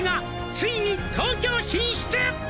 「ついに東京進出」